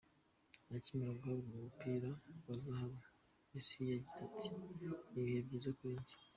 Akimara guhabwa uyu mupira wa zahabu, Messi yagize ati “ Ni ibihe byiza kuri njye.